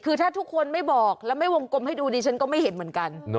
คือถ้าทุกคนไม่บอกแล้วไม่วงกลมให้ดูดิฉันก็ไม่เห็นเหมือนกัน